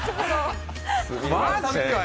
マジかよ。